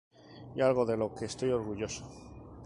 Y algo de lo que estoy orgulloso".